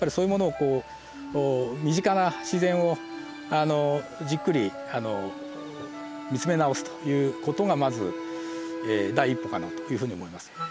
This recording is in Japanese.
こう身近な自然をじっくり見つめ直すという事がまず第一歩かなというふうに思います。